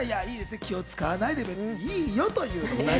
気を遣わないで別にいいよという。